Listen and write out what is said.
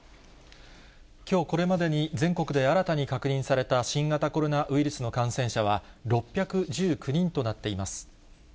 きょうこれまでに全国で新たに確認された新型コロナウイルスの感染者は６１９人となっています。